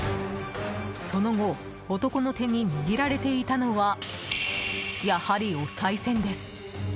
その後、男の手に握られていたのはやはり、おさい銭です。